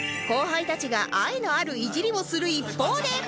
後輩たちが愛のあるいじりをする一方で